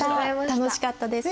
楽しかったです。